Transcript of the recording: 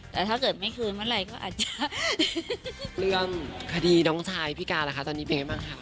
แต่ถ้าเกิดไม่คืนเมื่อไหร่ก็อาจจะเรื่องคดีน้องชายพี่การล่ะคะตอนนี้เป๊ะบ้างค่ะ